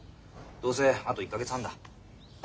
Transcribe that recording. どうせあと１か月半だ。